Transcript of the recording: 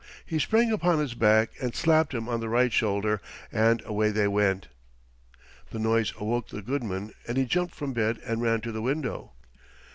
He sprang upon his back and slapped him on the right shoulder, and away they went. The noise awoke the goodman and he jumped from bed and ran to the window.